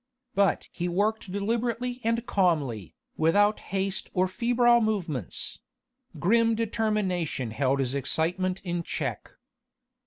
But he worked deliberately and calmly, without haste or febrile movements: grim determination held his excitement in check.